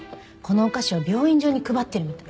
このお菓子を病院中に配ってるみたい。